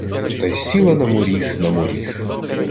Та й сіла на моріг, на моріг